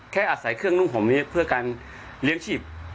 อาศัยเครื่องนุ่งผมนี้เพื่อการเลี้ยงชีพ